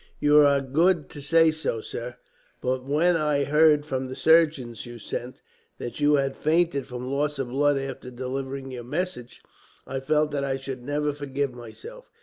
"You are very good to say so, sir; but when I heard, from the surgeons you sent, that you had fainted from loss of blood after delivering your message, I felt that I should never forgive myself.